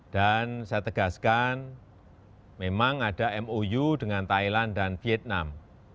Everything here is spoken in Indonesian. dan saya tegaskan memang ada mou dengan thailand dan vietnam